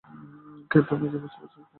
তো তুমি বুঝতে পেরেছেন আমরা কী করতে চলেছি?